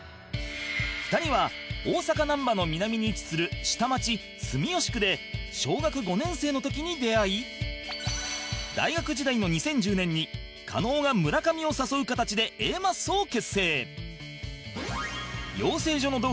２人は大阪難波の南に位置する下町住吉区で小学５年生の時に出会い大学時代の２０１０年に加納が村上を誘う形で Ａ マッソを結成